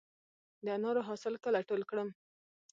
د انارو حاصل کله ټول کړم؟